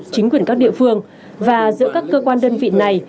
chính quyền các địa phương và giữa các cơ quan đơn vị này